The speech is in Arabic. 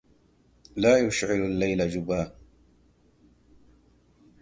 لا يشعل الليل جباه!